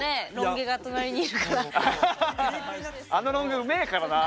あのロン毛うめえからな。